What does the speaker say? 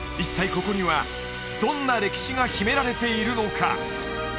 ここにはどんな歴史が秘められているのか？